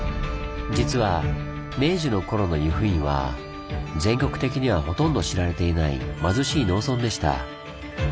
実は明治の頃の由布院は全国的にはほとんど知られていない貧しい農村でした。